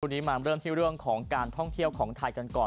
วันนี้มาเริ่มที่เรื่องของการท่องเที่ยวของไทยกันก่อน